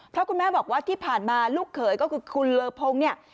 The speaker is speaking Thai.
เพราะคุณแม่บอกว่าที่ผ่านมาลูกเขยก็คือคุณเลอพงเนี่ย